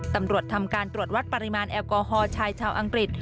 ตำรวจทำการตรวจวัดปริมาณแอลกอฮอล์ชายชาวอังกฤษ